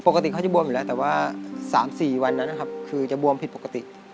ปกติเขาจะบวมอยู่แล้วแต่ว่า๓๔วันนั้นนะครับคือจะบวมผิดปกติ